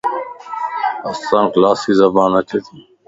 اسانک لاسي زبان اچي تي